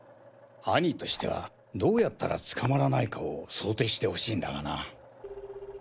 兄としてはどうやったら捕まらないかを想定してほしいんだがな。